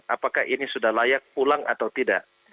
apakah ini sudah layak pulang atau tidak